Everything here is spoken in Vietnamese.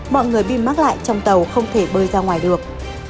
mọi người bị mắc lại trong tàu không thể bơi ra ngoài được